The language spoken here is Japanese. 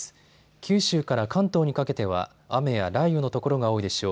九州から関東にかけては雨や雷雨の所が多いでしょう。